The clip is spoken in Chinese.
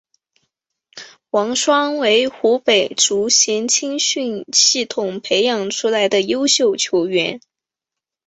王霜为湖北足协青训系统培养出来的优秀球员。